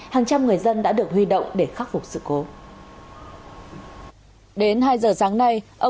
hàng trăm người dân đã được huy động để khắc phục sự cố